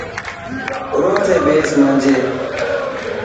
ارو ٿي ٻيسن مانجي.